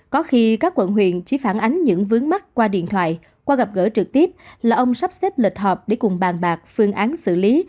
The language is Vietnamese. có khi các quận huyện chỉ phản ánh những vướng mắt qua điện thoại qua gặp gỡ trực tiếp là ông sắp xếp lịch họp để cùng bàn bạc phương án xử lý